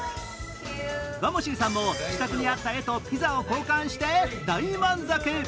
Ｖａｍｏｓｙさんも自宅にあった絵とピザを交換して大満足。